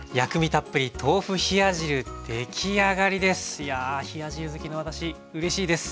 いや冷や汁好きの私うれしいです。